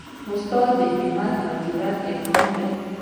استاد د همت او جرئت الهام دی.